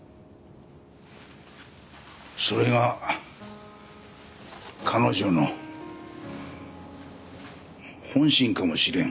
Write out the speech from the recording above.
それが彼女の本心かもしれん。